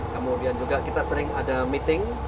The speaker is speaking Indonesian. kemudian juga kita sering ada meeting